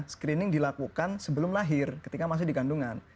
screening dilakukan sebelum lahir ketika masih di kandungan